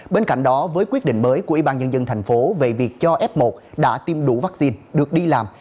bên cạnh đó với quyết định mới của ybnd tp hcm về việc cho f một đã tiêm đủ vaccine được đi làm